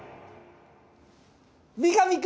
三上君！